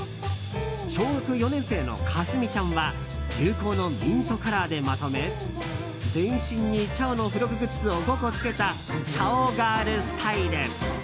小学４年生のかすみちゃんは流行のミントカラーでまとめ全身に「ちゃお」の付録グッズを５個つけたちゃおガールスタイル。